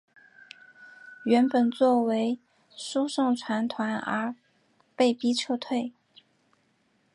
原本作为输送船团而被逼撤退。